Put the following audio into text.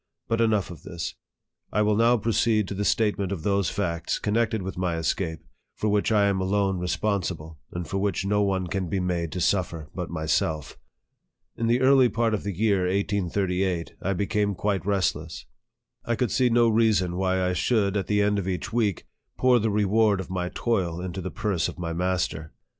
But enough of this. I will now proceed to the statement of those facts, connected with my escape, for which I am alone responsible, and for which no one can be made to suffer but myself. In the early part of the year 1838, 1 became quite restless. I could see no reason why I should, at the end of each week, pour the reward of my toil into the purse of my master.